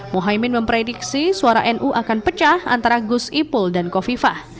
mohaimin memprediksi suara nu akan pecah antara gus ipul dan kofifah